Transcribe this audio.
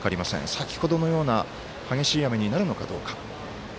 先ほどのような激しい雨になるのかどうか。